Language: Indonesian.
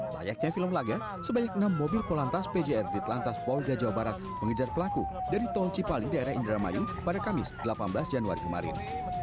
layaknya film laga sebanyak enam mobil polantas pjr di telantas polda jawa barat mengejar pelaku dari tol cipali daerah indramayu pada kamis delapan belas januari kemarin